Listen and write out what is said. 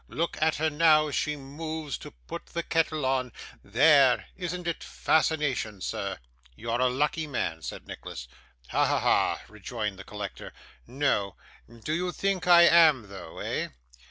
Look at her now she moves to put the kettle on. There! Isn't it fascination, sir?' 'You're a lucky man,' said Nicholas. 'Ha, ha, ha!' rejoined the collector. 'No. Do you think I am though, eh?